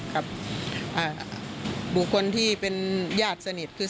ตลอดทั้งคืนตลอดทั้งคืน